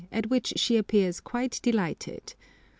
at which she appears quite delighted.